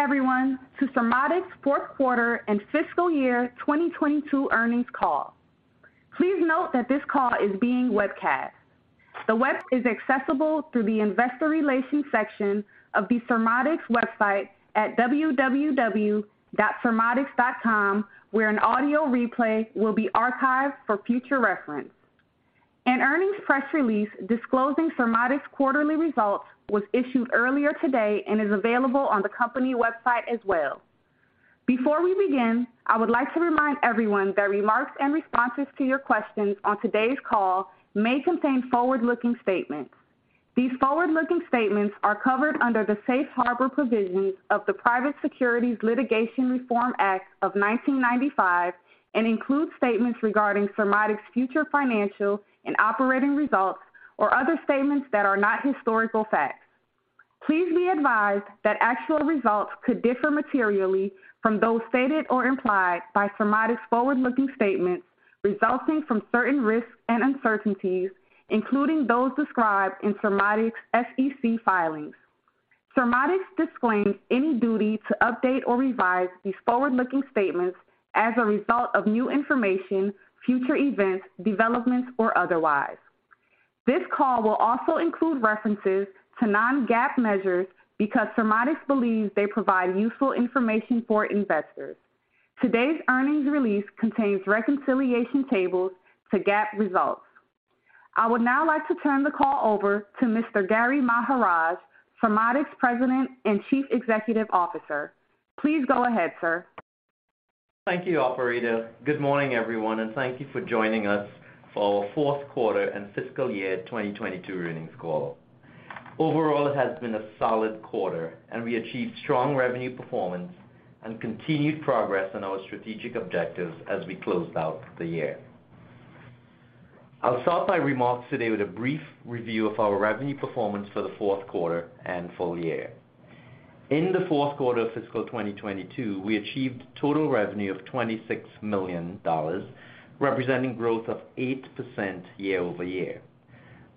Welcome, everyone to Surmodics' fourth quarter and fiscal year 2022 earnings call. Please note that this call is being webcast. The webcast is accessible through the investor relations section of the Surmodics' website at www.surmodics.com, where an audio replay will be archived for future reference. An earnings press release disclosing Surmodics' quarterly results was issued earlier today and is available on the company website as well. Before we begin, I would like to remind everyone that remarks and responses to your questions on today's call may contain forward-looking statements. These forward-looking statements are covered under the Safe Harbor provisions of the Private Securities Litigation Reform Act of 1995 and include statements regarding Surmodics' future financial and operating results or other statements that are not historical facts. Please be advised that actual results could differ materially from those stated or implied by Surmodics' forward-looking statements resulting from certain risks and uncertainties, including those described in Surmodics' SEC filings. Surmodics disclaims any duty to update or revise these forward-looking statements as a result of new information, future events, developments, or otherwise. This call will also include references to non-GAAP measures because Surmodics believes they provide useful information for investors. Today's earnings release contains reconciliation tables to GAAP results. I would now like to turn the call over to Mr. Gary Maharaj, Surmodics' President and Chief Executive Officer. Please go ahead, sir. Thank you, operator. Good morning, everyone, and thank you for joining us for our fourth quarter and fiscal year 2022 earnings call. Overall, it has been a solid quarter, and we achieved strong revenue performance and continued progress on our strategic objectives as we closed out the year. I'll start my remarks today with a brief review of our revenue performance for the fourth quarter and full year. In the fourth quarter of fiscal 2022, we achieved total revenue of $26 million, representing growth of 8% year-over-year.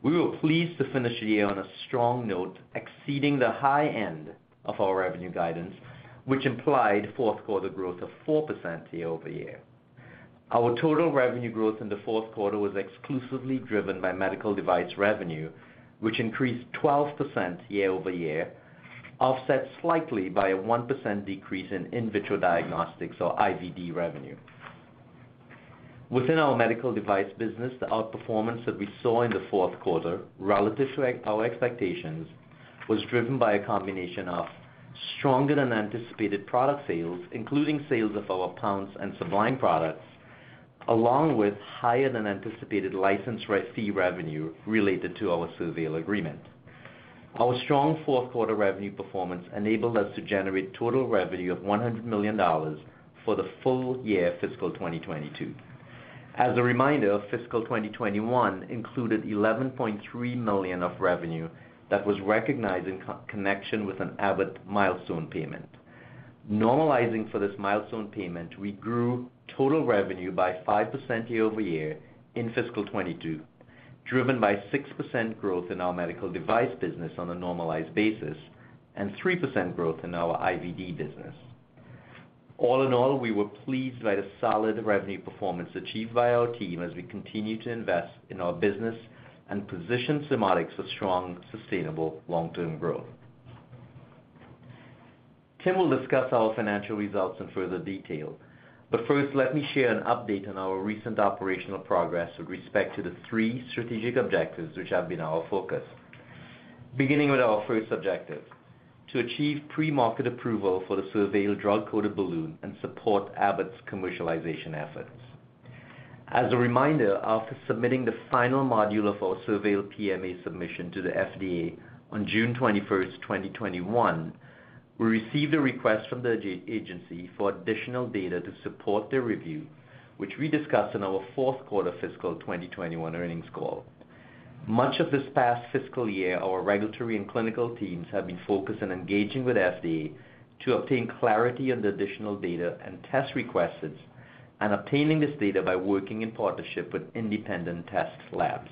We were pleased to finish the year on a strong note, exceeding the high end of our revenue guidance, which implied fourth quarter growth of 4% year-over-year. Our total revenue growth in the fourth quarter was exclusively driven by medical device revenue, which increased 12% year-over-year, offset slightly by a 1% decrease in in vitro diagnostics, or IVD revenue. Within our medical device business, the outperformance that we saw in the fourth quarter relative to our expectations was driven by a combination of stronger than anticipated product sales, including sales of our Pounce and Sublime products, along with higher than anticipated license royalty revenue related to our SurVeil agreement. Our strong fourth quarter revenue performance enabled us to generate total revenue of $100 million for the full year fiscal 2022. As a reminder, fiscal 2021 included $11.3 million of revenue that was recognized in connection with an Abbott milestone payment. Normalizing for this milestone payment, we grew total revenue by 5% year-over-year in fiscal 2022, driven by 6% growth in our medical device business on a normalized basis, and 3% growth in our IVD business. All in all, we were pleased by the solid revenue performance achieved by our team as we continue to invest in our business and position Surmodics for strong, sustainable long-term growth. Tim will discuss our financial results in further detail, but first, let me share an update on our recent operational progress with respect to the three strategic objectives which have been our focus. Beginning with our first objective, to achieve pre-market approval for the SurVeil drug-coated balloon and support Abbott's commercialization efforts. As a reminder, after submitting the final module of our SurVeil PMA submission to the FDA on June 21, 2021, we received a request from the agency for additional data to support their review, which we discussed in our fourth quarter fiscal 2021 earnings call. Much of this past fiscal year, our regulatory and clinical teams have been focused on engaging with FDA to obtain clarity on the additional data and tests requested and obtaining this data by working in partnership with independent test labs.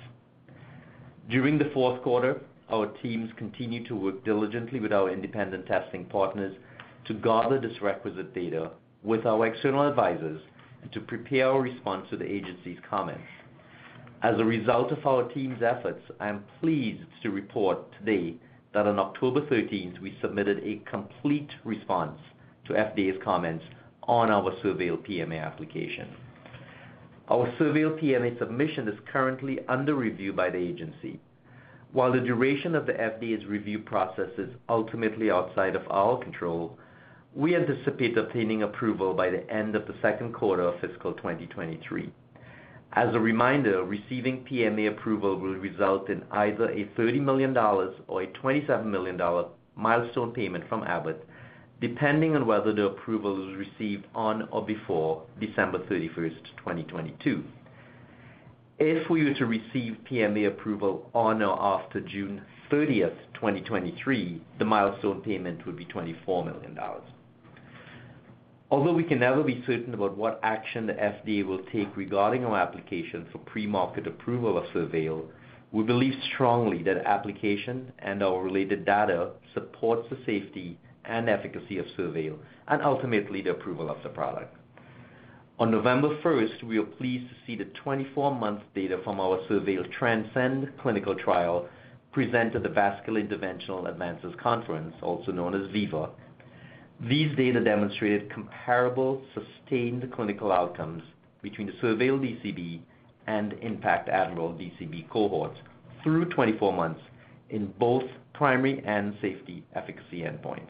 During the fourth quarter, our teams continued to work diligently with our independent testing partners to gather this requisite data with our external advisors and to prepare our response to the agency's comments. As a result of our team's efforts, I am pleased to report today that on October 13, we submitted a complete response to FDA's comments on our SurVeil PMA application. Our SurVeil PMA submission is currently under review by the agency. While the duration of the FDA's review process is ultimately outside of our control, we anticipate obtaining approval by the end of the second quarter of fiscal 2023. As a reminder, receiving PMA approval will result in either a $30 million or a $27 million milestone payment from Abbott, depending on whether the approval is received on or before December 31, 2022. If we were to receive PMA approval on or after June 30, 2023, the milestone payment would be $24 million. Although we can never be certain about what action the FDA will take regarding our application for pre-market approval of SurVeil, we believe strongly that application and our related data supports the safety and efficacy of SurVeil, and ultimately, the approval of the product. On November 1st, we were pleased to see the 24-month data from our SurVeil TRANSCEND clinical trial presented at the Vascular Interventional Advances Conference, also known as VIVA. These data demonstrated comparable sustained clinical outcomes between the SurVeil DCB and IN.PACT Admiral DCB cohorts through 24 months in both primary and safety efficacy endpoints.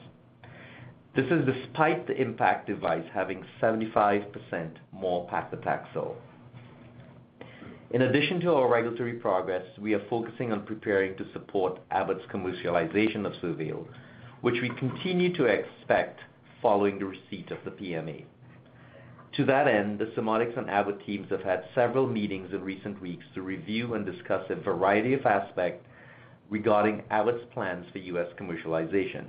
This is despite the IN.PACT device having 75% more paclitaxel. In addition to our regulatory progress, we are focusing on preparing to support Abbott's commercialization of SurVeil, which we continue to expect following the receipt of the PMA. To that end, the Surmodics and Abbott teams have had several meetings in recent weeks to review and discuss a variety of aspects regarding Abbott's plans for U.S. commercialization,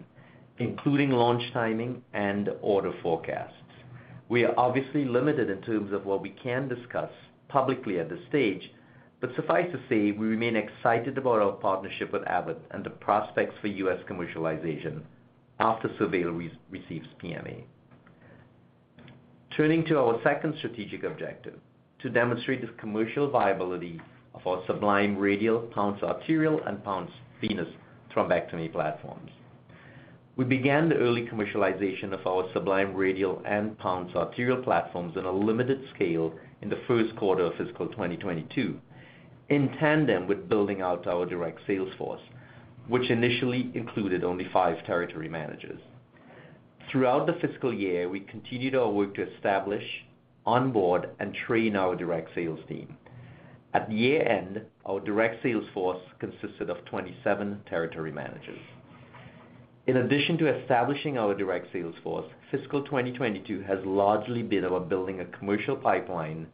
including launch timing and order forecasts. We are obviously limited in terms of what we can discuss publicly at this stage, but suffice to say, we remain excited about our partnership with Abbott and the prospects for U.S. commercialization after SurVeil receives PMA. Turning to our second strategic objective, to demonstrate the commercial viability of our Sublime Radial, Pounce Arterial, and Pounce Venous thrombectomy platforms. We began the early commercialization of our Sublime Radial and Pounce Arterial platforms on a limited scale in the first quarter of fiscal 2022, in tandem with building out our direct sales force, which initially included only five territory managers. Throughout the fiscal year, we continued our work to establish, onboard, and train our direct sales team. At the year-end, our direct sales force consisted of 27 territory managers. In addition to establishing our direct sales force, fiscal 2022 has largely been about building a commercial pipeline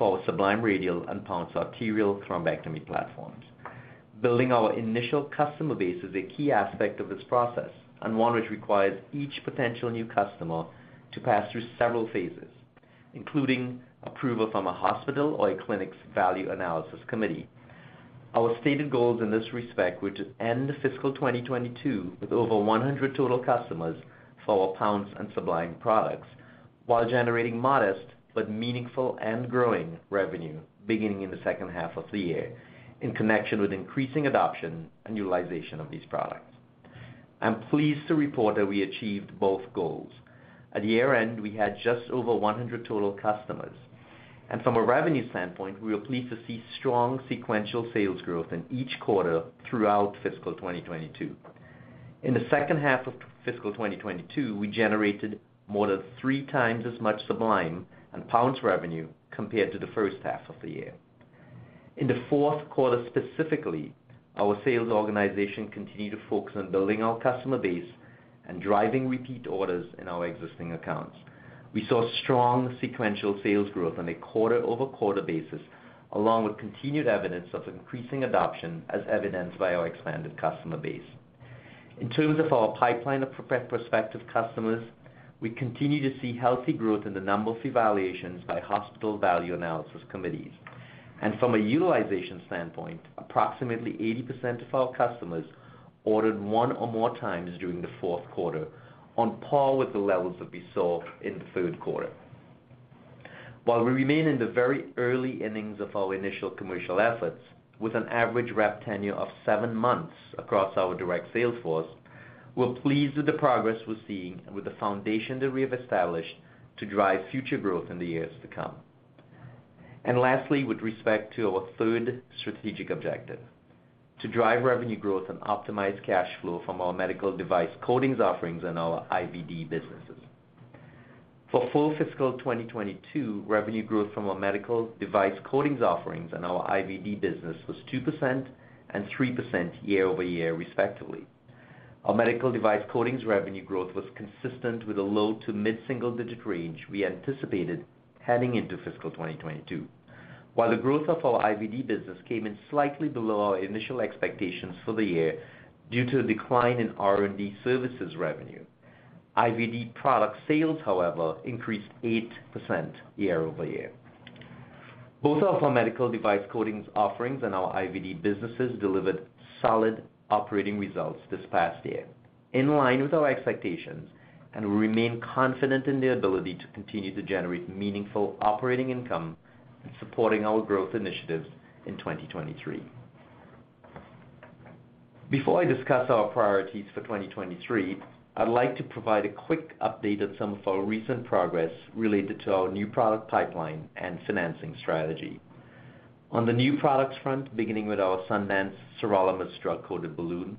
for our Sublime Radial and Pounce Arterial thrombectomy platforms. Building our initial customer base is a key aspect of this process, and one which requires each potential new customer to pass through several phases, including approval from a hospital or a clinic's value analysis committee. Our stated goals in this respect were to end fiscal 2022 with over 100 total customers for our Pounce and Sublime products while generating modest but meaningful and growing revenue beginning in the second half of the year in connection with increasing adoption and utilization of these products. I'm pleased to report that we achieved both goals. At the year-end, we had just over 100 total customers. From a revenue standpoint, we were pleased to see strong sequential sales growth in each quarter throughout fiscal 2022. In the second half of fiscal 2022, we generated more than 3x as much Sublime and Pounce revenue compared to the first half of the year. In the fourth quarter, specifically, our sales organization continued to focus on building our customer base and driving repeat orders in our existing accounts. We saw strong sequential sales growth on a quarter-over-quarter basis, along with continued evidence of increasing adoption as evidenced by our expanded customer base. In terms of our pipeline of prospective customers, we continue to see healthy growth in the number of evaluations by hospital value analysis committees. From a utilization standpoint, approximately 80% of our customers ordered one or more times during the fourth quarter, on par with the levels that we saw in the third quarter. While we remain in the very early innings of our initial commercial efforts, with an average rep tenure of seven months across our direct sales force, we're pleased with the progress we're seeing and with the foundation that we have established to drive future growth in the years to come. Lastly, with respect to our third strategic objective, to drive revenue growth and optimize cash flow from our medical device coatings offerings and our IVD businesses. For full fiscal 2022, revenue growth from our medical device coatings offerings and our IVD business was 2% and 3% year-over-year, respectively. Our medical device coatings revenue growth was consistent with a low- to mid-single-digit range we anticipated heading into fiscal 2022. While the growth of our IVD business came in slightly below our initial expectations for the year due to a decline in R&D services revenue, IVD product sales, however, increased 8% year-over-year. Both our medical device coatings offerings and our IVD businesses delivered solid operating results this past year, in line with our expectations, and we remain confident in the ability to continue to generate meaningful operating income and supporting our growth initiatives in 2023. Before I discuss our priorities for 2023, I'd like to provide a quick update on some of our recent progress related to our new product pipeline and financing strategy. On the new products front, beginning with our Sundance sirolimus drug-coated balloon,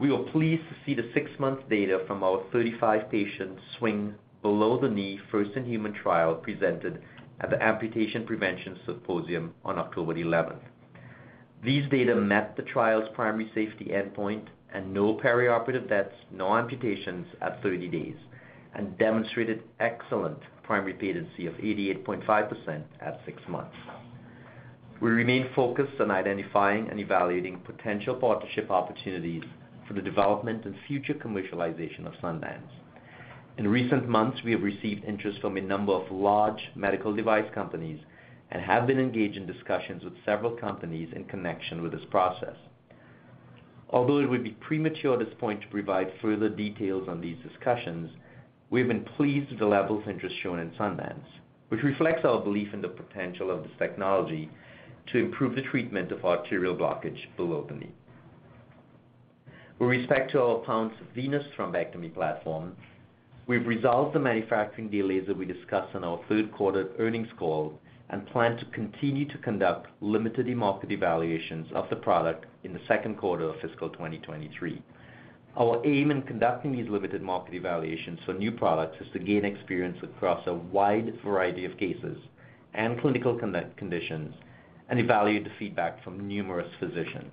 we were pleased to see the six-month data from our 35-patient SWING below-the-knee first-in-human trial presented at the Amputation Prevention Symposium on October 11th. These data met the trial's primary safety endpoint and no perioperative deaths, no amputations at 30 days, and demonstrated excellent primary patency of 88.5% at six months. We remain focused on identifying and evaluating potential partnership opportunities for the development and future commercialization of Sundance. In recent months, we have received interest from a number of large medical device companies and have been engaged in discussions with several companies in connection with this process. Although it would be premature at this point to provide further details on these discussions, we have been pleased with the levels of interest shown in Sundance, which reflects our belief in the potential of this technology to improve the treatment of arterial blockage below the knee. With respect to our Pounce venous thrombectomy platform, we've resolved the manufacturing delays that we discussed on our third quarter earnings call and plan to continue to conduct limited market evaluations of the product in the second quarter of fiscal 2023. Our aim in conducting these limited market evaluations for new products is to gain experience across a wide variety of cases and clinical conditions and evaluate the feedback from numerous physicians.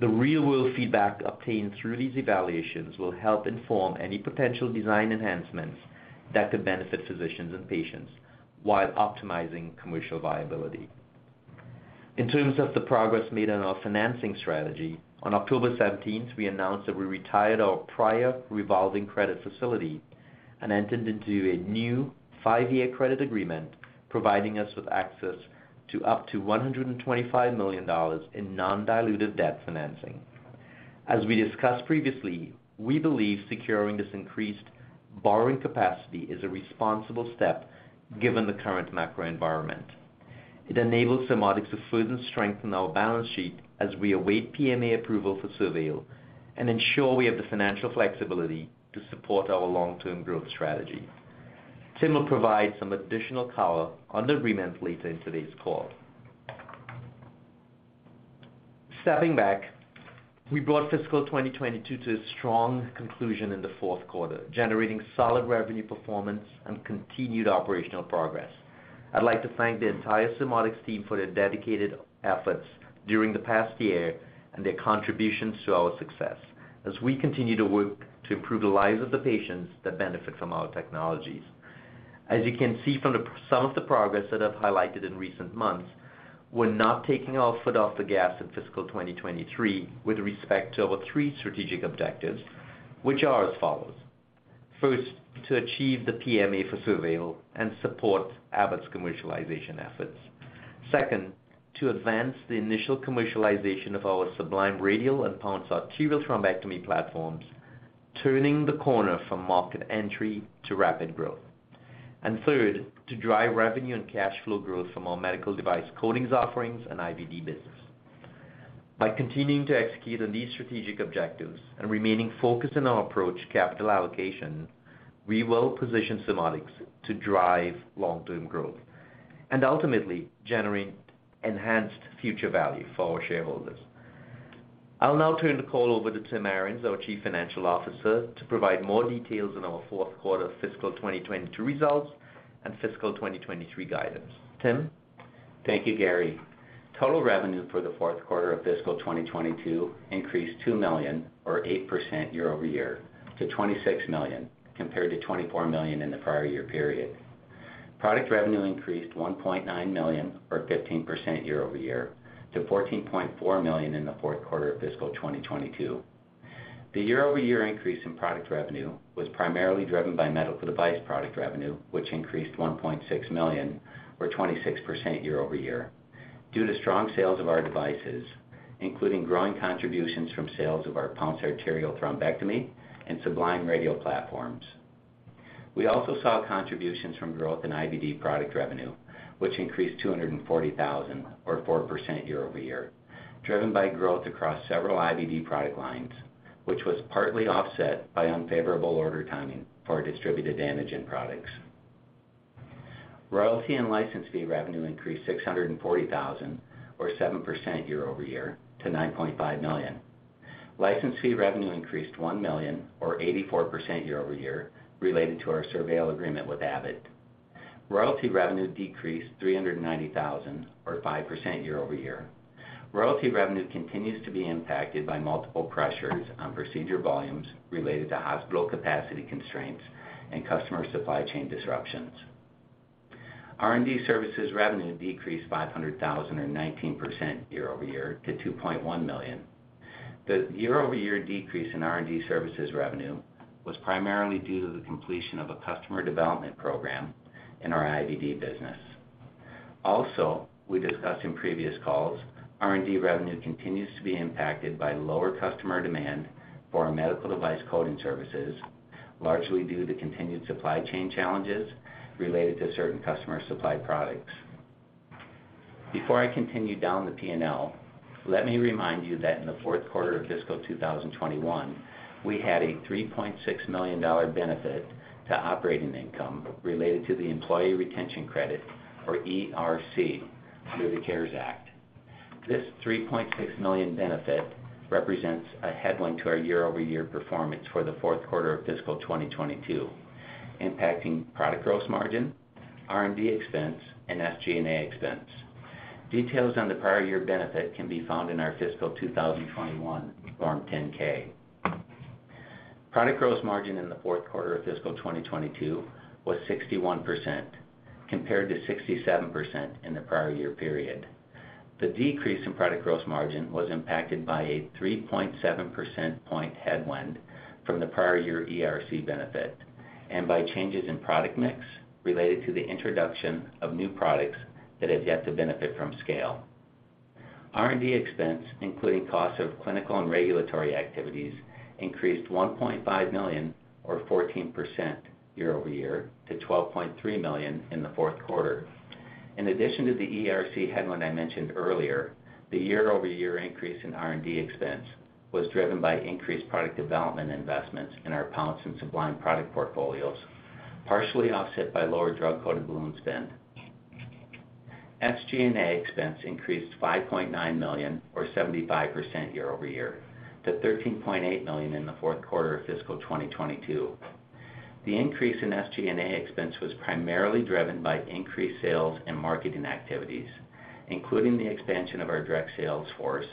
The real-world feedback obtained through these evaluations will help inform any potential design enhancements that could benefit physicians and patients while optimizing commercial viability. In terms of the progress made on our financing strategy, on October 17th, we announced that we retired our prior revolving credit facility and entered into a new five-year credit agreement, providing us with access to up to $125 million in non-dilutive debt financing. As we discussed previously, we believe securing this increased borrowing capacity is a responsible step given the current macro environment. It enables Surmodics to further strengthen our balance sheet as we await PMA approval for SurVeil and ensure we have the financial flexibility to support our long-term growth strategy. Tim will provide some additional color on the agreement later in today's call. Stepping back, we brought fiscal 2022 to a strong conclusion in the fourth quarter, generating solid revenue performance and continued operational progress. I'd like to thank the entire Surmodics team for their dedicated efforts during the past year and their contributions to our success as we continue to work to improve the lives of the patients that benefit from our technologies. As you can see from some of the progress that I've highlighted in recent months, we're not taking our foot off the gas in fiscal 2023 with respect to our three strategic objectives, which are as follows. First, to achieve the PMA for SurVeil and support Abbott's commercialization efforts. Second, to advance the initial commercialization of our Sublime radial and Pounce arterial thrombectomy platforms, turning the corner from market entry to rapid growth. Third, to drive revenue and cash flow growth from our medical device coatings offerings and IVD business. By continuing to execute on these strategic objectives and remaining focused on our approach to capital allocation, we will position Surmodics to drive long-term growth and ultimately generate enhanced future value for our shareholders. I'll now turn the call over to Tim Ahrens, our Chief Financial Officer, to provide more details on our fourth quarter fiscal 2022 results and fiscal 2023 guidance. Tim? Thank you, Gary. Total revenue for the fourth quarter of fiscal 2022 increased $2 million or 8% year-over-year to $26 million, compared to $24 million in the prior year period. Product revenue increased $1.9 million or 15% year-over-year to $14.4 million in the fourth quarter of fiscal 2022. The year-over-year increase in product revenue was primarily driven by medical device product revenue, which increased $1.6 million or 26% year-over-year due to strong sales of our devices, including growing contributions from sales of our Pounce Arterial thrombectomy and Sublime Radial platforms. We also saw contributions from growth in IVD product revenue, which increased $240,000 or 4% year-over-year, driven by growth across several IVD product lines, which was partly offset by unfavorable order timing for our distributed imaging products. Royalty and license fee revenue increased $640,000 or 7% year-over-year to $9.5 million. License fee revenue increased $1 million or 84% year-over-year related to our SurVeil agreement with Abbott. Royalty revenue decreased $390,000 or 5% year-over-year. Royalty revenue continues to be impacted by multiple pressures on procedure volumes related to hospital capacity constraints and customer supply chain disruptions. R&D services revenue decreased $500,000 or 19% year-over-year to $2.1 million. The year-over-year decrease in R&D services revenue was primarily due to the completion of a customer development program in our IVD business. Also, we discussed in previous calls, R&D revenue continues to be impacted by lower customer demand for our medical device coding services, largely due to continued supply chain challenges related to certain customer supplied products. Before I continue down the P&L, let me remind you that in the fourth quarter of fiscal 2021, we had a $3.6 million benefit to operating income related to the employee retention credit, or ERC, through the CARES Act. This $3.6 million benefit represents a headwind to our year-over-year performance for the fourth quarter of fiscal 2022, impacting product gross margin, R&D expense, and SG&A expense. Details on the prior year benefit can be found in our fiscal 2021 Form 10-K. Product gross margin in the fourth quarter of fiscal 2022 was 61% compared to 67% in the prior year period. The decrease in product gross margin was impacted by a 3.7 percentage point headwind from the prior year ERC benefit and by changes in product mix related to the introduction of new products that have yet to benefit from scale. R&D expense, including costs of clinical and regulatory activities, increased $1.5 million or 14% year-over-year to $12.3 million in the fourth quarter. In addition to the ERC headwind I mentioned earlier, the year-over-year increase in R&D expense was driven by increased product development investments in our Pounce and Sublime product portfolios, partially offset by lower drug-coated balloon spend. SG&A expense increased $5.9 million or 75% year-over-year to $13.8 million in the fourth quarter of fiscal 2022. The increase in SG&A expense was primarily driven by increased sales and marketing activities, including the expansion of our direct sales force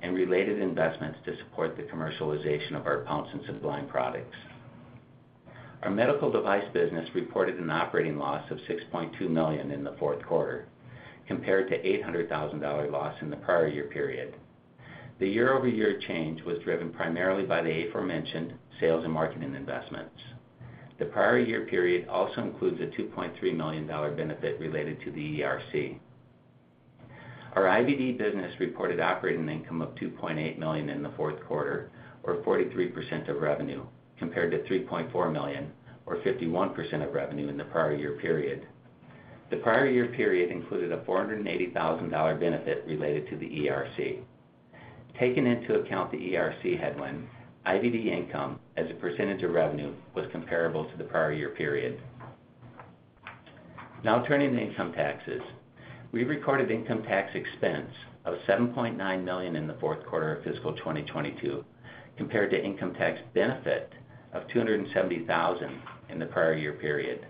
and related investments to support the commercialization of our Pounce and Sublime products. Our medical device business reported an operating loss of $6.2 million in the fourth quarter compared to an $800,000 loss in the prior year period. The year-over-year change was driven primarily by the aforementioned sales and marketing investments. The prior year period also includes a $2.3 million benefit related to the ERC. Our IVD business reported operating income of $2.8 million in the fourth quarter, or 43% of revenue, compared to $3.4 million or 51% of revenue in the prior year period. The prior year period included a $480,000 benefit related to the ERC. Taking into account the ERC headwind, IVD income as a percentage of revenue was comparable to the prior year period. Now turning to income taxes. We recorded income tax expense of $7.9 million in the fourth quarter of fiscal 2022, compared to income tax benefit of $270,000 in the prior year period.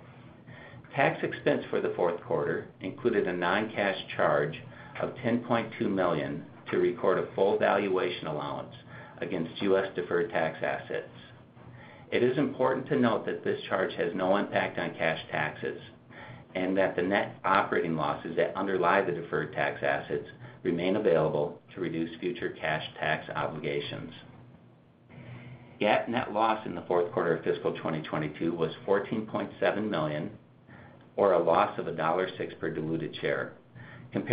Tax expense for the fourth quarter included a non-cash charge of $10.2 million to record a full valuation allowance against U.S. deferred tax assets. It is important to note that this charge has no impact on cash taxes and that the net operating losses that underlie the deferred tax assets remain available to reduce future cash tax obligations. GAAP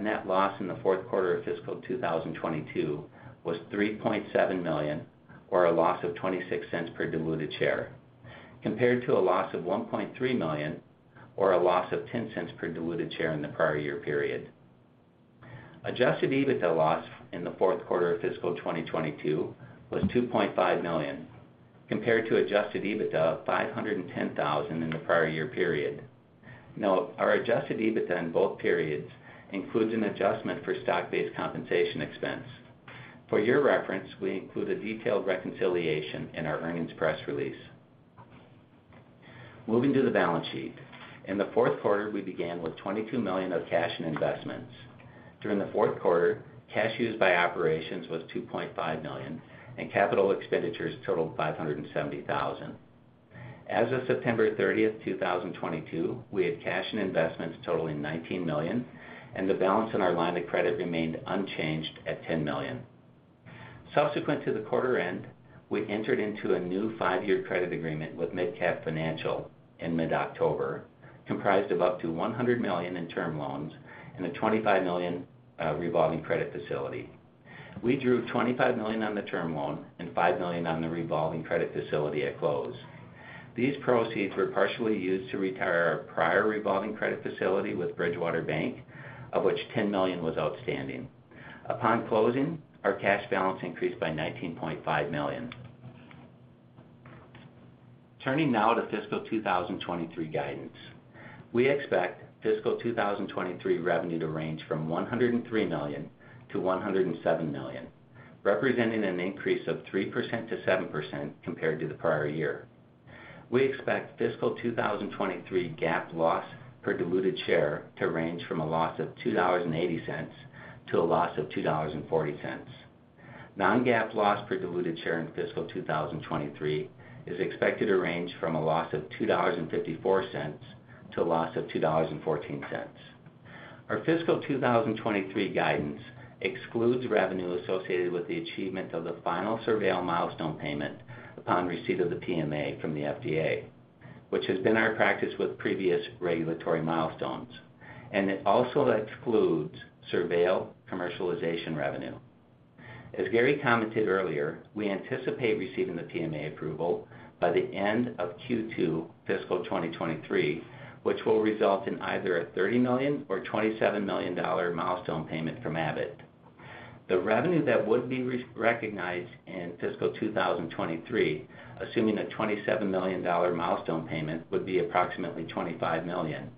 net loss in the fourth quarter of fiscal 2022 was $14.7 million or a loss of $1.06 per diluted share, compared to a loss of $290,000 or a loss of $0.02 per diluted share in the prior year period. Non-GAAP net loss in the fourth quarter of fiscal 2022 was $3.7 million or a loss of $0.26 per diluted share, compared to a loss of $1.3 million or a loss of $0.10 per diluted share in the prior year period. ``Adjusted EBITDA loss in the fourth quarter of fiscal 2022 was $2.5 million, compared to Adjusted EBITDA of $510,000 in the prior year period. Our Adjusted EBITDA in both periods includes an adjustment for stock-based compensation expense. For your reference, we include a detailed reconciliation in our earnings press release. Moving to the balance sheet. In the fourth quarter, we began with $22 million of cash and investments. During the fourth quarter, cash used by operations was $2.5 million, and capital expenditures totaled $570,000. As of September 30, 2022, we had cash and investments totaling $19 million, and the balance in our line of credit remained unchanged at $10 million. Subsequent to the quarter end, we entered into a new five-year credit agreement with MidCap Financial in mid-October, comprised of up to $100 million in term loans and a $25 million revolving credit facility. We drew $25 million on the term loan and $5 million on the revolving credit facility at close. These proceeds were partially used to retire our prior revolving credit facility with Bridgewater Bank, of which $10 million was outstanding. Upon closing, our cash balance increased by $19.5 million. Turning now to fiscal 2023 guidance. We expect fiscal 2023 revenue to range from $103 million-$107 million, representing an increase of 3%-7% compared to the prior year. We expect fiscal 2023 GAAP loss per diluted share to range from a loss of $2.80 to a loss of $2.40. Non-GAAP loss per diluted share in fiscal 2023 is expected to range from a loss of $2.54 to a loss of $2.14. Our fiscal 2023 guidance excludes revenue associated with the achievement of the final SurVeil milestone payment upon receipt of the PMA from the FDA, which has been our practice with previous regulatory milestones, and it also excludes SurVeil commercialization revenue. As Gary commented earlier, we anticipate receiving the PMA approval by the end of Q2 fiscal 2023, which will result in either a $30 million or $27 million milestone payment from Abbott. The revenue that would be re-recognized in fiscal 2023, assuming a $27 million milestone payment, would be approximately $25 million,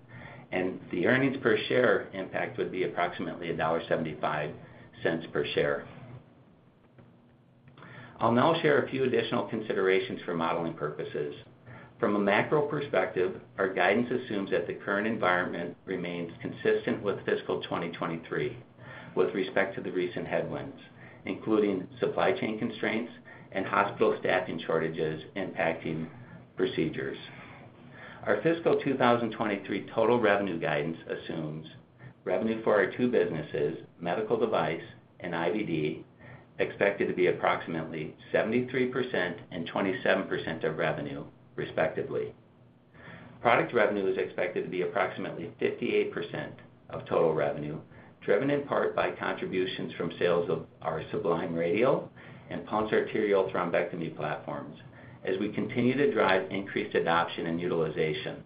and the earnings per share impact would be approximately $1.75 per share. I'll now share a few additional considerations for modeling purposes. From a macro perspective, our guidance assumes that the current environment remains consistent with fiscal 2023 with respect to the recent headwinds, including supply chain constraints and hospital staffing shortages impacting procedures. Our fiscal 2023 total revenue guidance assumes revenue for our two businesses, medical device and IVD, expected to be approximately 73% and 27% of revenue respectively. Product revenue is expected to be approximately 58% of total revenue, driven in part by contributions from sales of our Sublime Radial and Pounce Arterial thrombectomy platforms as we continue to drive increased adoption and utilization.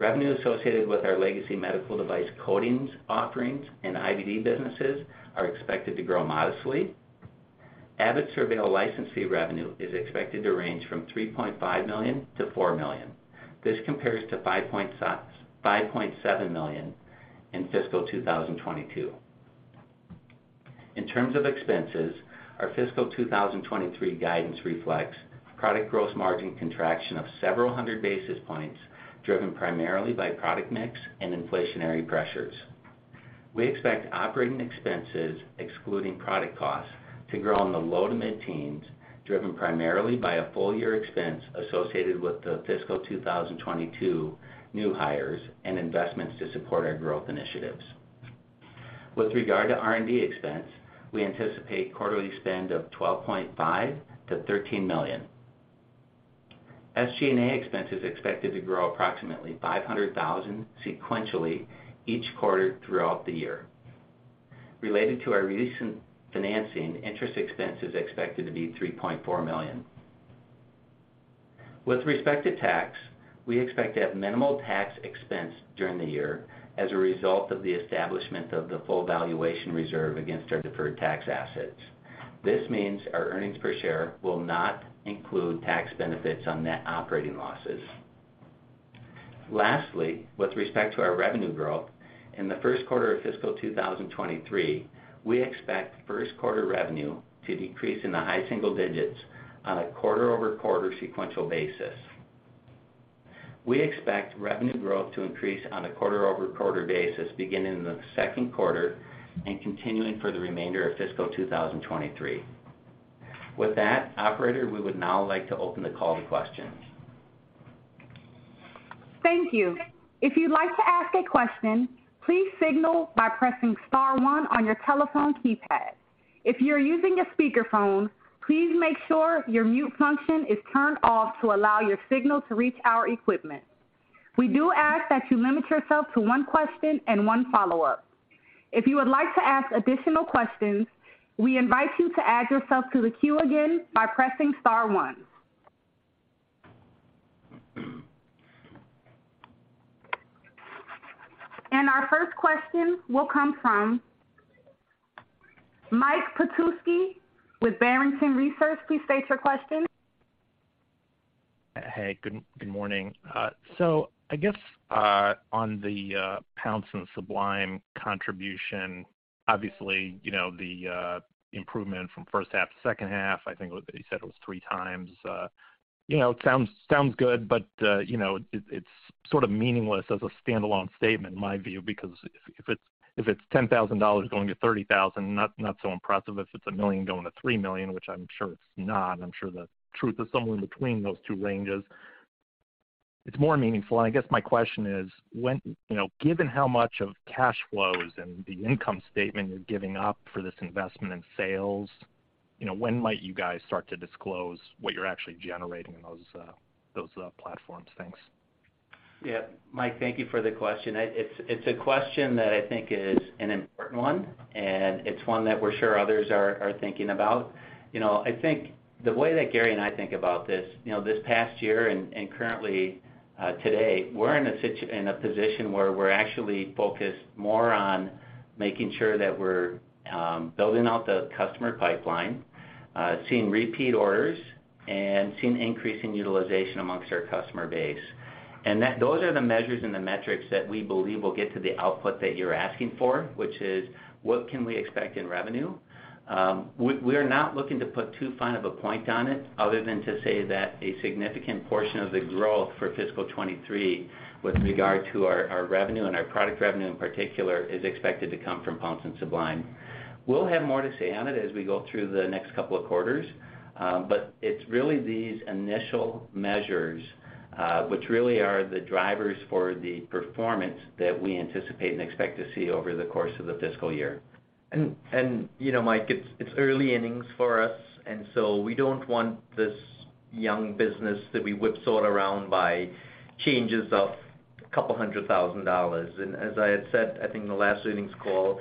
Revenue associated with our legacy medical device coatings offerings and IVD businesses are expected to grow modestly. Abbott SurVeil license fee revenue is expected to range from $3.5 million-$4 million. This compares to $5.6 million-$5.7 million in fiscal 2022. In terms of expenses, our fiscal 2023 guidance reflects product gross margin contraction of several hundred basis points, driven primarily by product mix and inflationary pressures. We expect operating expenses excluding product costs to grow in the low to mid-teens, driven primarily by a full year expense associated with the fiscal 2022 new hires and investments to support our growth initiatives. With regard to R&D expense, we anticipate quarterly spend of $12.5 million-$13 million. SG&A expense is expected to grow approximately $500,000 sequentially each quarter throughout the year. Related to our recent financing, interest expense is expected to be $3.4 million. With respect to tax, we expect to have minimal tax expense during the year as a result of the establishment of the full valuation reserve against our deferred tax assets. This means our earnings per share will not include tax benefits on net operating losses. Lastly, with respect to our revenue growth, in the first quarter of fiscal 2023, we expect first quarter revenue to decrease in the high single digits on a quarter-over-quarter sequential basis. We expect revenue growth to increase on a quarter-over-quarter basis beginning in the second quarter and continuing for the remainder of fiscal 2023. With that, operator, we would now like to open the call to questions. Thank you. If you'd like to ask a question, please signal by pressing star one on your telephone keypad. If you're using a speakerphone, please make sure your mute function is turned off to allow your signal to reach our equipment. We do ask that you limit yourself to one question and one follow-up. If you would like to ask additional questions, we invite you to add yourself to the queue again by pressing star one. Our first question will come from Mike Petusky with Barrington Research. Please state your question. Good morning. I guess on the Pounce and Sublime contribution, obviously, you know, the improvement from first half to second half, I think you said it was 3x. You know, it sounds good, but you know, it's sort of meaningless as a standalone statement in my view, because if it's $10,000 going to $30,000, not so impressive. If it's $1 million going to $3 million, which I'm sure it's not, I'm sure the truth is somewhere in between those two ranges. It's more meaningful. I guess my question is, when you know, given how much of cash flows and the income statement you're giving up for this investment in sales, you know, when might you guys start to disclose what you're actually generating in those platforms? Thanks. Yeah. Mike, thank you for the question. It's a question that I think is an important one, and it's one that we're sure others are thinking about. You know, I think the way that Gary and I think about this, you know, this past year and currently today, we're in a position where we're actually focused more on making sure that we're building out the customer pipeline, seeing repeat orders, and seeing increase in utilization amongst our customer base. That those are the measures and the metrics that we believe will get to the output that you're asking for, which is, what can we expect in revenue? We are not looking to put too fine of a point on it other than to say that a significant portion of the growth for fiscal 2023 with regard to our revenue and our product revenue in particular is expected to come from Pounce and Sublime. We'll have more to say on it as we go through the next couple of quarters. It's really these initial measures, which really are the drivers for the performance that we anticipate and expect to see over the course of the fiscal year. You know, Mike, it's early innings for us, and so we don't want this young business to be whipsawed around by changes of $200,000. As I had said, I think in the last earnings call,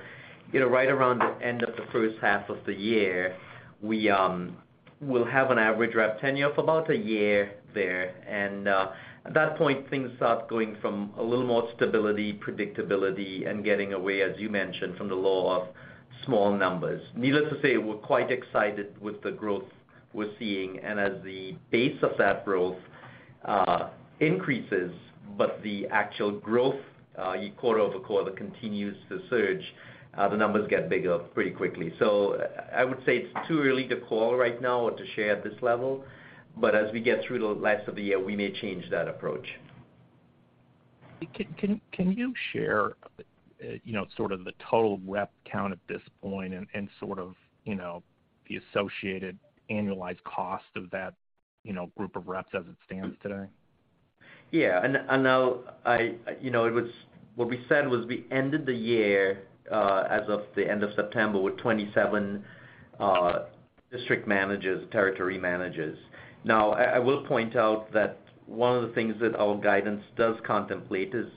you know, right around the end of the first half of the year, we will have an average rep tenure of about a year there. At that point, things start going from a little more stability, predictability, and getting away, as you mentioned, from the law of small numbers. Needless to say, we're quite excited with the growth we're seeing. As the base of that growth increases, but the actual growth quarter-over-quarter continues to surge, the numbers get bigger pretty quickly. I would say it's too early to call right now or to share at this level. As we get through the last of the year, we may change that approach. Can you share, you know, sort of the total rep count at this point and sort of, you know, the associated annualized cost of that, you know, group of reps as it stands today? Yeah. I know you know what we said was we ended the year as of the end of September with 27 district managers, territory managers. Now, I will point out that one of the things that our guidance does contemplate is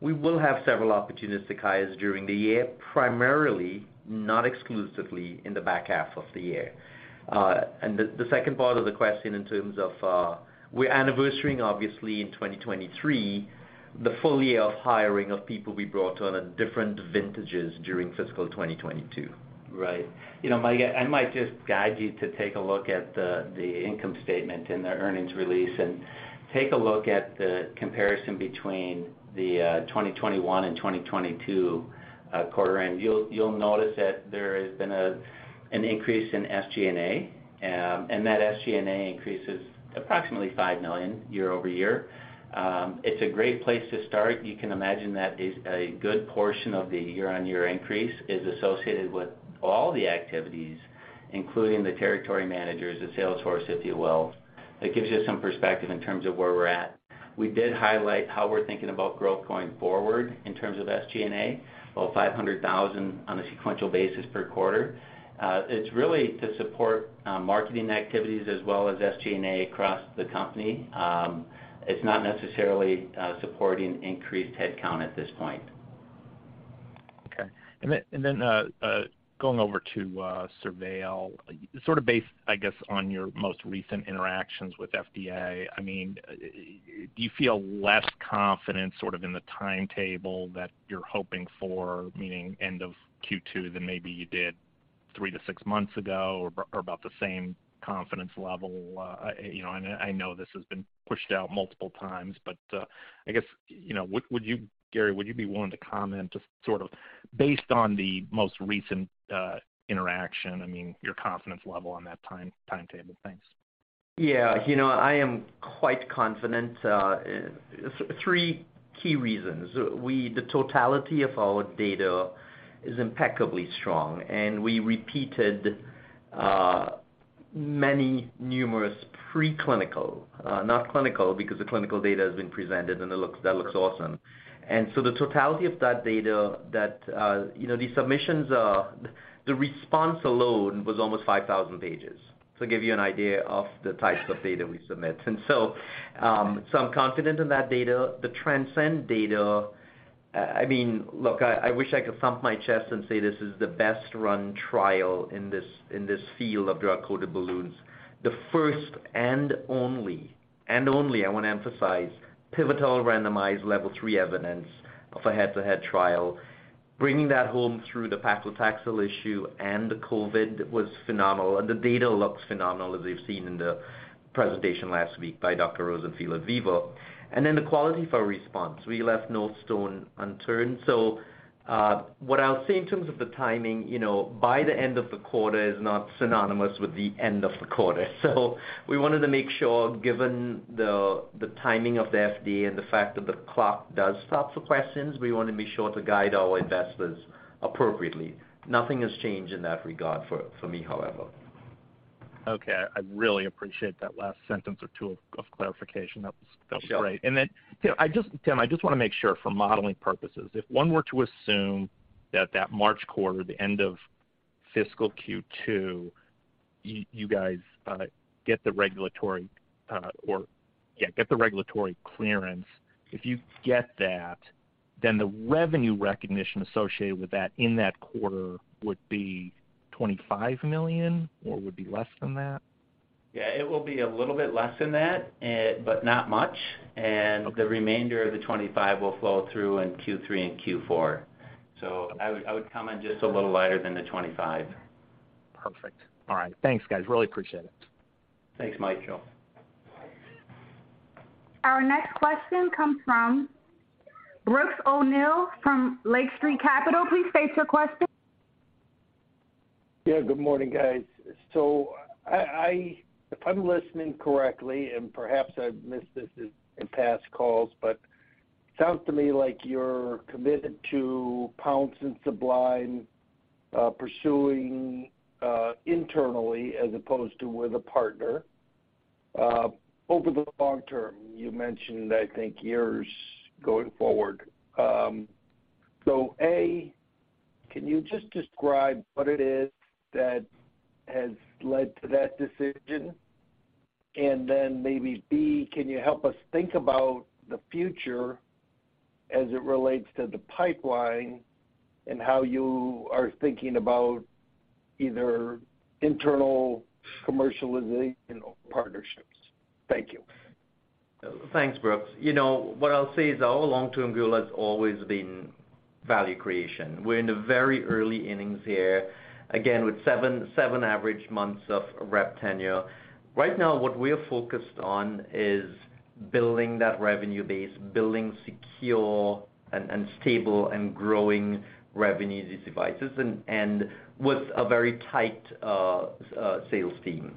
we will have several opportunistic hires during the year, primarily, not exclusively, in the back half of the year. The second part of the question in terms of we're anniversarying obviously in 2023, the full year of hiring of people we brought on at different vintages during fiscal 2022. Right. You know, Mike, I might just guide you to take a look at the income statement in the earnings release, and take a look at the comparison between 2021 and 2022 quarter. You'll notice that there has been an increase in SG&A. That SG&A increase is approximately $5 million year-over-year. It's a great place to start. You can imagine that a good portion of the year-over-year increase is associated with all the activities, including the territory managers, the sales force, if you will. That gives you some perspective in terms of where we're at. We did highlight how we're thinking about growth going forward in terms of SG&A, about $500,000 on a sequential basis per quarter. It's really to support marketing activities as well as SG&A across the company. It's not necessarily supporting increased headcount at this point. Okay. Then, going over to SurVeil, sort of based, I guess, on your most recent interactions with FDA. I mean, do you feel less confident sort of in the timetable that you're hoping for, meaning end of Q2, than maybe you did three to six months ago or about the same confidence level? You know, I know this has been pushed out multiple times. I guess, you know, would you, Gary, be willing to comment just sort of based on the most recent interaction, I mean, your confidence level on that timetable? Thanks. Yeah. You know, I am quite confident. Three key reasons. The totality of our data is impeccably strong, and we repeated many numerous preclinical, not clinical, because the clinical data has been presented, and that looks awesome. The totality of that data that these submissions are. The response alone was almost 5,000 pages to give you an idea of the types of data we submit. I'm confident in that data. The TRANSCEND data, I mean, look, I wish I could thump my chest and say, this is the best run trial in this field of drug-coated balloons. The first and only, I wanna emphasize, pivotal randomized level three evidence of a head-to-head trial. Bringing that home through the paclitaxel issue and the COVID was phenomenal. The data looks phenomenal, as we've seen in the presentation last week by Dr. Rosenfield at VIVA. The quality of our response, we left no stone unturned. What I'll say in terms of the timing, you know, by the end of the quarter is not synonymous with the end of the quarter. We wanted to make sure, given the timing of the FDA and the fact that the clock does stop for questions, we wanna be sure to guide our investors appropriately. Nothing has changed in that regard for me, however. Okay. I really appreciate that last sentence or two of clarification. That was great. Tim, I just wanna make sure for modeling purposes, if one were to assume that March quarter, the end of fiscal Q2, you guys get the regulatory clearance. If you get that, then the revenue recognition associated with that in that quarter would be $25 million, or would be less than that? Yeah, it will be a little bit less than that, but not much. The remainder of the $25 will flow through in Q3 and Q4. I would comment just a little lighter than the $25. Perfect. All right. Thanks, guys. Really appreciate it. Thanks, Mike. Sure. Our next question comes from Brooks O'Neil from Lake Street Capital. Please state your question. Yeah, good morning, guys. If I'm listening correctly, and perhaps I've missed this in past calls, but sounds to me like you're committed to Pounce and Sublime pursuing internally as opposed to with a partner over the long term. You mentioned, I think years going forward. A, can you just describe what it is that has led to that decision? Then maybe B, can you help us think about the future as it relates to the pipeline and how you are thinking about either internal commercialization or partnerships? Thank you. Thanks, Brooks. You know, what I'll say is our long-term goal has always been value creation. We're in the very early innings here, again, with 7 average months of rep tenure. Right now, what we are focused on is building that revenue base, building secure and stable and growing revenue with these devices and with a very tight sales team.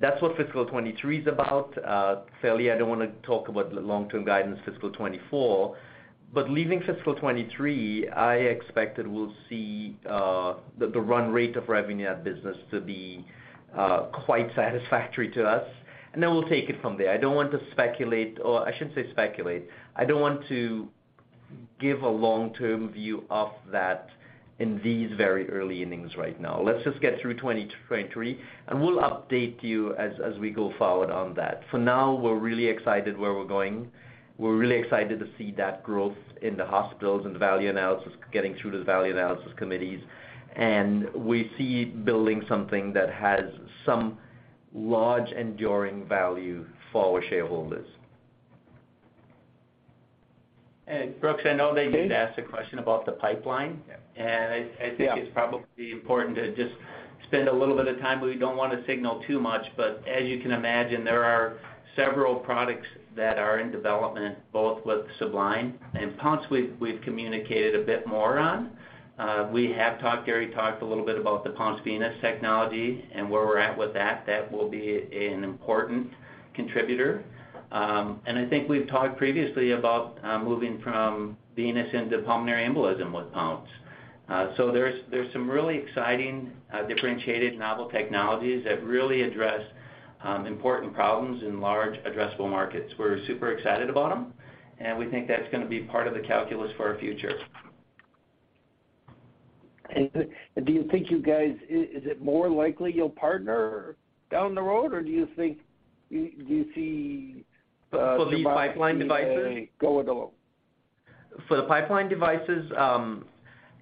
That's what fiscal 2023 is about. I don't want to talk about the long-term guidance fiscal 2024, but leaving fiscal 2023, I expect that we'll see the run rate of revenue add business to be quite satisfactory to us, and then we'll take it from there. I don't want to speculate or I shouldn't say speculate. I don't want to give a long-term view of that in these very early innings right now. Let's just get through 2020 to 2023, and we'll update you as we go forward on that. For now, we're really excited where we're going. We're really excited to see that growth in the hospitals and the value analysis, getting through the value analysis committees. We see building something that has some large enduring value for our shareholders. Brooks, I know they just asked a question about the pipeline. Yeah. I think it's probably important to just spend a little bit of time, but we don't want to signal too much. As you can imagine, there are several products that are in development, both with Sublime and Pounce we've communicated a bit more on. We have talked, Gary talked a little bit about the Pounce Venous technology and where we're at with that. That will be an important contributor. I think we've talked previously about moving from Venous into pulmonary embolism with Pounce. So there's some really exciting differentiated novel technologies that really address important problems in large addressable markets. We're super excited about them, and we think that's gonna be part of the calculus for our future. Is it more likely you'll partner down the road, or do you see Sublime seeing a- For the pipeline devices. Go it alone? For the pipeline devices,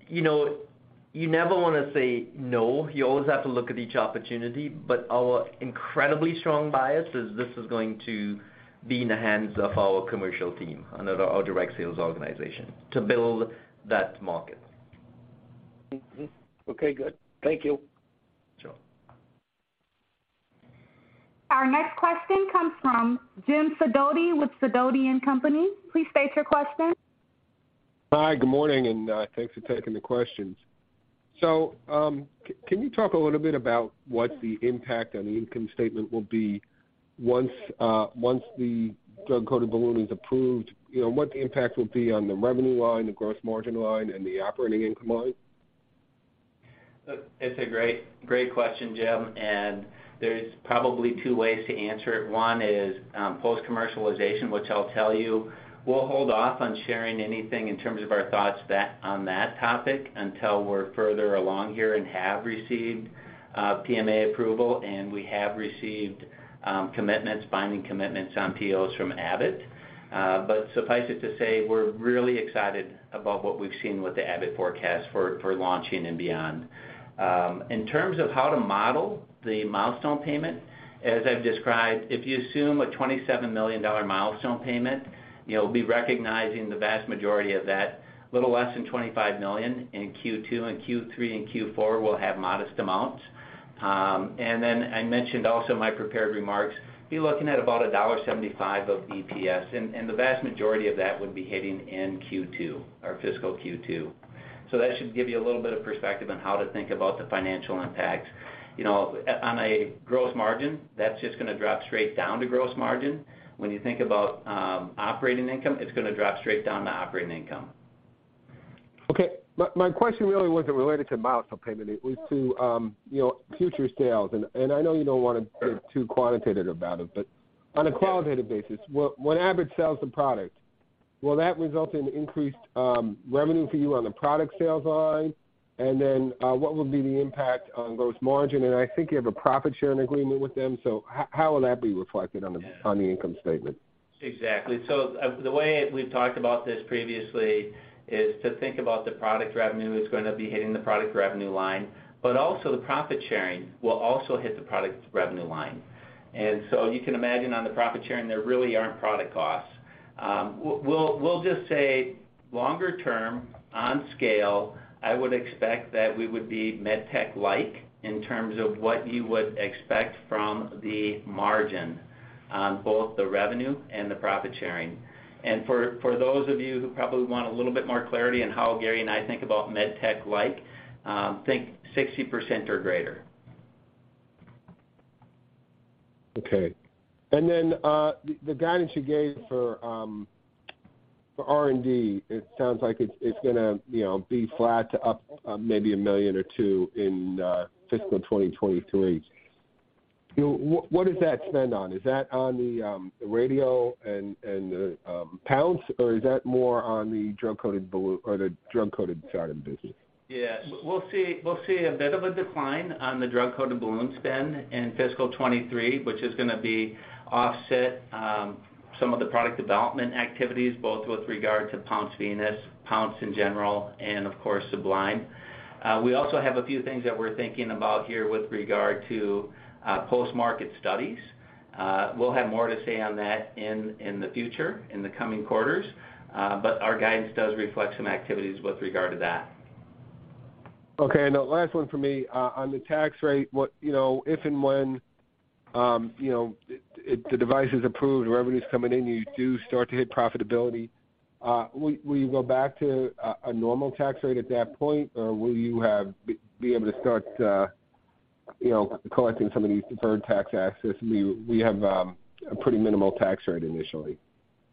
you know, you never wanna say no. You always have to look at each opportunity. Our incredibly strong bias is this is going to be in the hands of our commercial team under our direct sales organization to build that market. Mm-hmm. Okay, good. Thank you. Sure. Our next question comes from Jim Sidoti with Sidoti & Company. Please state your question. Hi, good morning, and thanks for taking the questions. Can you talk a little bit about what the impact on the income statement will be once the drug-coated balloon is approved? You know, what the impact will be on the revenue line, the gross margin line and the operating income line? Look, it's a great question, Jim, and there's probably two ways to answer it. One is post commercialization, which I'll tell you, we'll hold off on sharing anything in terms of our thoughts on that topic until we're further along here and have received PMA approval, and we have received commitments, binding commitments on POs from Abbott. But suffice it to say, we're really excited about what we've seen with the Abbott forecast for launching and beyond. In terms of how to model the milestone payment, as I've described, if you assume a $27 million milestone payment, you'll be recognizing the vast majority of that, little less than $25 million in Q2 and Q3 and Q4 will have modest amounts. I mentioned also in my prepared remarks, be looking at about $1.75 of EPS, and the vast majority of that would be hitting in Q2 or fiscal Q2. That should give you a little bit of perspective on how to think about the financial impact. On a gross margin, that's just gonna drop straight down to gross margin. When you think about operating income, it's gonna drop straight down to operating income. Okay. My question really wasn't related to milestone payment. It was to, you know, future sales. I know you don't wanna get too quantitative about it. On a qualitative basis, when Abbott sells the product, will that result in increased revenue for you on the product sales line? What would be the impact on gross margin? I think you have a profit-sharing agreement with them, so how will that be reflected on the income statement? Exactly. The way we've talked about this previously is to think about the product revenue is gonna be hitting the product revenue line, but also the profit sharing will also hit the product revenue line. You can imagine on the profit sharing, there really aren't product costs. We'll just say longer term on scale, I would expect that we would be med tech-like in terms of what you would expect from the margin on both the revenue and the profit sharing. For those of you who probably want a little bit more clarity on how Gary and I think about med tech-like, think 60% or greater. Okay. The guidance you gave for R&D, it sounds like it's gonna, you know, be flat to up, maybe $1 million or $2 million in fiscal 2023. You know, what is that spend on? Is that on the Radial and the Pounce, or is that more on the drug-coated balloon or the drug-coated Sundance business? Yes. We'll see a bit of a decline on the drug-coated balloon spend in fiscal 2023, which is gonna be offset some of the product development activities, both with regard to Pounce Venous, Pounce in general, and of course, Sublime. We also have a few things that we're thinking about here with regard to post-market studies. We'll have more to say on that in the future, in the coming quarters. Our guidance does reflect some activities with regard to that. Okay. The last one for me. On the tax rate, what, you know, if and when, you know, the device is approved, the revenue's coming in, you do start to hit profitability, will you go back to a normal tax rate at that point? Or will you have be able to start, you know, collecting some of these deferred tax assets? We have a pretty minimal tax rate initially.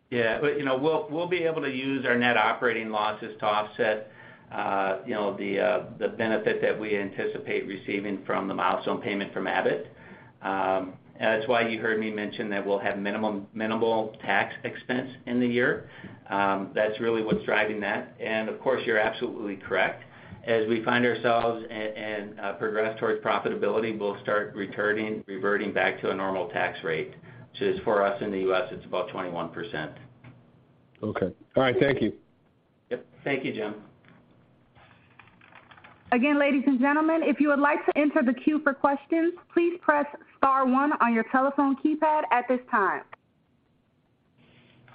Yeah, you know, we'll be able to use our net operating losses to offset the benefit that we anticipate receiving from the milestone payment from Abbott. That's why you heard me mention that we'll have minimal tax expense in the year. That's really what's driving that. Of course, you're absolutely correct. As we find ourselves and progress towards profitability, we'll start reverting back to a normal tax rate, which is for us in the U.S., it's about 21%. Okay. All right, thank you. Yep. Thank you, Jim. Again, ladies and gentlemen, if you would like to enter the queue for questions, please press star one on your telephone keypad at this time.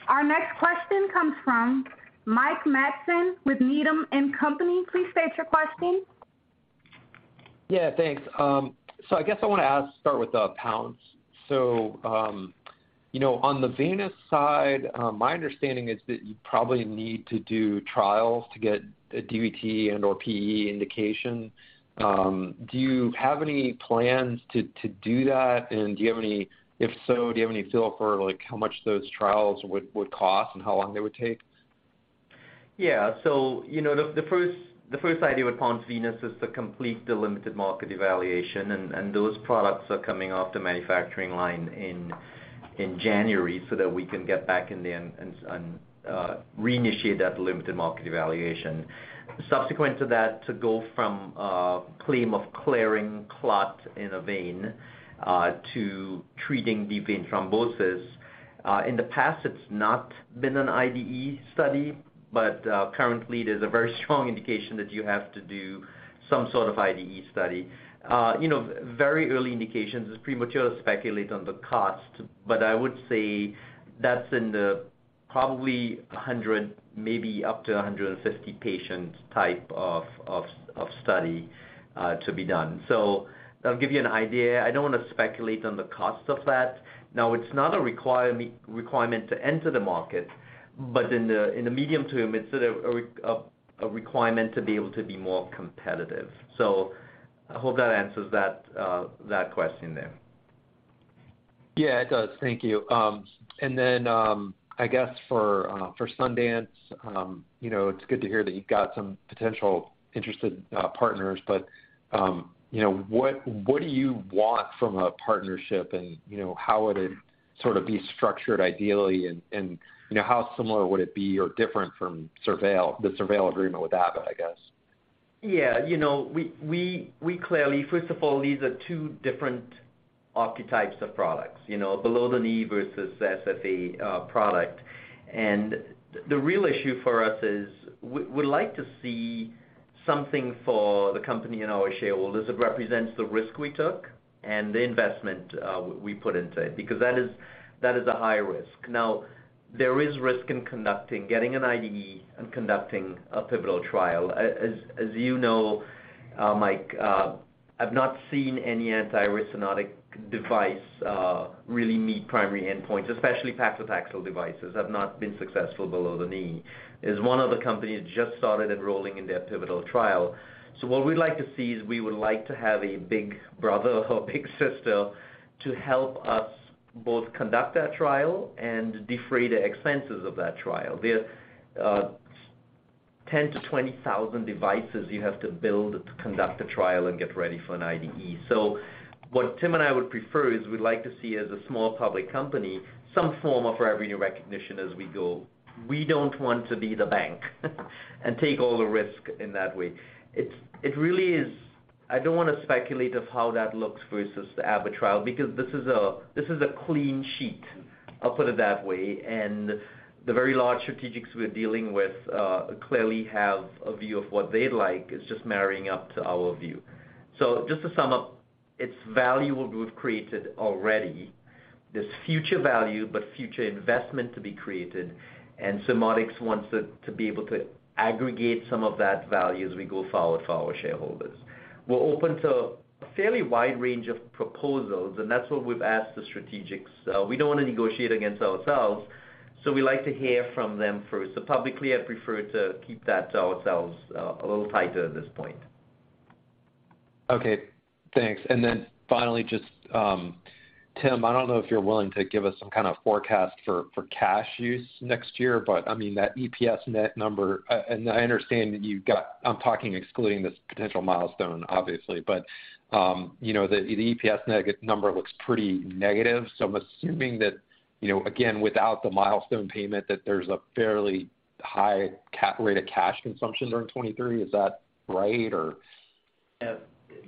Our next question comes from Mike Matson with Needham & Company. Please state your question. Yeah, thanks. I guess I want to start with Pounce. You know, on the venous side, my understanding is that you probably need to do trials to get a DVT and/or PE indication. Do you have any plans to do that? If so, do you have any feel for, like, how much those trials would cost and how long they would take? You know, the first idea with Pounce Venous is to complete the limited market evaluation, and those products are coming off the manufacturing line in January so that we can get back in there and reinitiate that limited market evaluation. Subsequent to that, to go from a claim of clearing clot in a vein to treating deep vein thrombosis, in the past, it's not been an IDE study, but currently there's a very strong indication that you have to do some sort of IDE study. You know, very early indications, it's premature to speculate on the cost, but I would say that's probably 100, maybe up to 150 patients type of study to be done. That'll give you an idea. I don't wanna speculate on the cost of that. Now, it's not a requirement to enter the market, but in the medium term, it's a requirement to be able to be more competitive. I hope that answers that question there. Yeah, it does. Thank you. I guess for Sundance, you know, it's good to hear that you've got some potentially interested partners. You know, what do you want from a partnership and, you know, how would it sort of be structured ideally, and, you know, how similar would it be or different from SurVeil, the SurVeil agreement with Abbott, I guess? Yeah. You know, we clearly first of all, these are two different occlusive types of products, you know, below the knee versus SFA product. The real issue for us is we'd like to see something for the company and our shareholders that represents the risk we took and the investment we put into it, because that is a high risk. Now, there is risk in getting an IDE and conducting a pivotal trial. As you know, Mike, I've not seen any antirestenotic device really meet primary endpoints, especially paclitaxel devices have not been successful below the knee. As one of the companies just started enrolling in their pivotal trial. What we'd like to see is we would like to have a big brother or big sister to help us both conduct that trial and defray the expenses of that trial. There are 10-20,000 devices you have to build to conduct a trial and get ready for an IDE. What Tim and I would prefer is we'd like to see as a small public company, some form of revenue recognition as we go. We don't want to be the bank and take all the risk in that way. It really is. I don't wanna speculate on how that looks versus the Abbott trial because this is a clean sheet, I'll put it that way. The very large strategics we're dealing with clearly have a view of what they'd like. It's just marrying up to our view. Just to sum up, it's value what we've created already. There's future value, but future investment to be created, and Surmodics wants to be able to aggregate some of that value as we go forward for our shareholders. We're open to a fairly wide range of proposals, and that's what we've asked the strategics. We don't wanna negotiate against ourselves, so we like to hear from them first. Publicly, I'd prefer to keep that to ourselves a little tighter at this point. Okay, thanks. Finally, just Tim, I don't know if you're willing to give us some kinda forecast for cash use next year, but I mean, that EPS net number. I understand. I'm talking excluding this potential milestone, obviously. You know, the EPS net number looks pretty negative, so I'm assuming that, you know, again, without the milestone payment, that there's a fairly high CapEx rate of cash consumption during 2023. Is that right or? Yeah.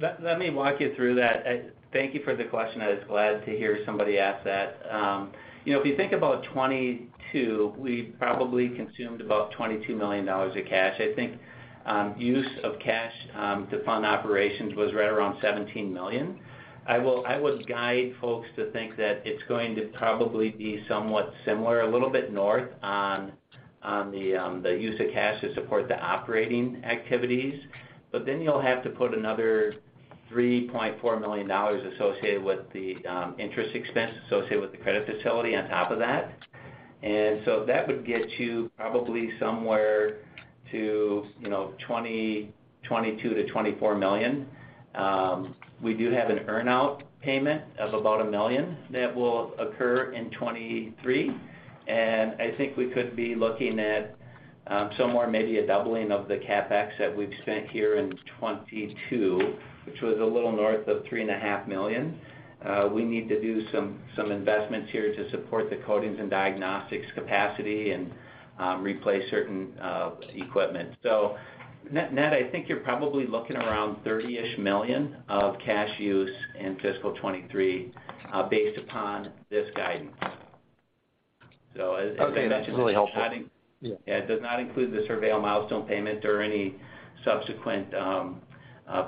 Let me walk you through that. Thank you for the question. I was glad to hear somebody ask that. You know, if you think about 2022, we probably consumed about $22 million of cash. I think use of cash to fund operations was right around $17 million. I would guide folks to think that it's going to probably be somewhat similar, a little bit north on the use of cash to support the operating activities. Then you'll have to put another $3.4 million associated with the interest expense associated with the credit facility on top of that. That would get you probably somewhere to, you know, $22 million-$24 million. We do have an earn-out payment of about $1 million that will occur in 2023. I think we could be looking at somewhere maybe a doubling of the CapEx that we've spent here in 2022, which was a little north of $3.5 million. We need to do some investments here to support the coatings and diagnostics capacity and replace certain equipment. Net, I think you're probably looking around $30-ish million of cash use in fiscal 2023 based upon this guidance. Okay, that's really helpful. Yeah. It does not include the SurVeil milestone payment or any subsequent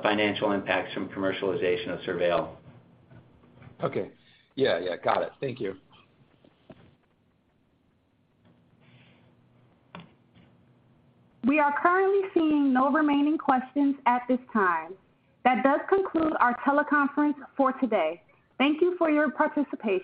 financial impacts from commercialization of SurVeil. Okay. Yeah, yeah, got it. Thank you. We are currently seeing no remaining questions at this time. That does conclude our teleconference for today. Thank you for your participation.